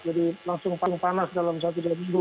jadi langsung panas dalam satu jam minggu